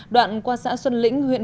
đoạn qua xã xuân lĩnh huyện